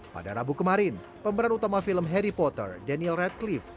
pada rabu kemarin pemberan utama film harry potter daniel radcliffe